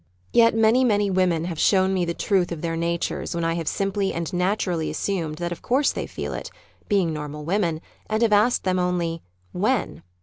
Yet many, many women have shown me the truth of their natures when I have simply and naturally assumed that of course they feel it being normal women— and have asked them only: When?